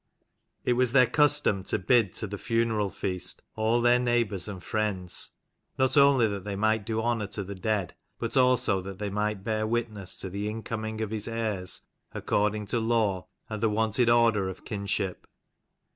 147 It was their custom to bid to the funeral feast all their neighbours and friends, not only that they might do honour to the dead, but also that they might bear witness to the incoming of his heirs according to law and the wonted order of kinship.